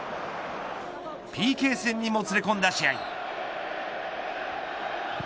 ＰＫ戦にもつれ込んだ試合。